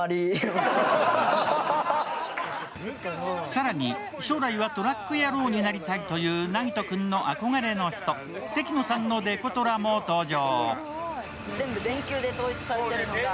更に将来はトラック野郎になりたいというなぎとのあこがれの人、関野さんのデコトラも登場。